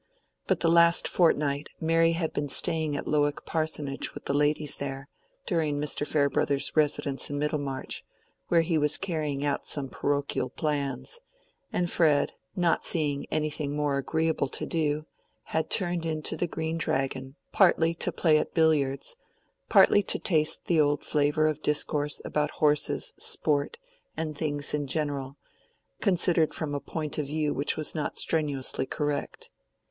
But the last fortnight Mary had been staying at Lowick Parsonage with the ladies there, during Mr. Farebrother's residence in Middlemarch, where he was carrying out some parochial plans; and Fred, not seeing anything more agreeable to do, had turned into the Green Dragon, partly to play at billiards, partly to taste the old flavor of discourse about horses, sport, and things in general, considered from a point of view which was not strenuously correct.